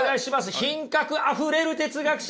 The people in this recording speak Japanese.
品格あふれる哲学者